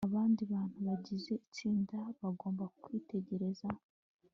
abandi bantu bagize itsinda bagomba kwitegereza